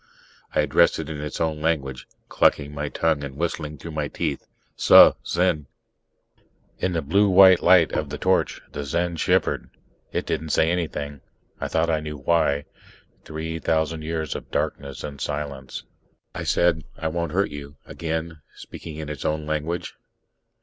I addressed it in its own language, clucking my tongue and whistling through my teeth: "Suh, Zen " In the blue white light of the torch, the Zen shivered. It didn't say anything. I thought I knew why. Three thousand years of darkness and silence ... I said, "I won't hurt you," again speaking in its own language.